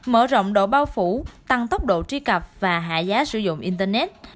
mở rộng độ bao phủ tăng tốc độ tri cập và hạ giá sử dụng internet